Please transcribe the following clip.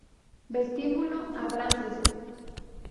Vestíbulo Abrantes